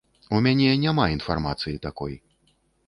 У мяне няма інфармацыі такой.